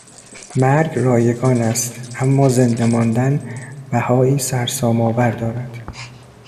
مرگ رایگان است اما زنده ماندن بهائی سرسام آور دارد